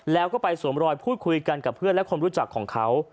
แล้วก็ไปสวมรอยพูดคุยกันกับเพื่อนและคนรู้จักของเขา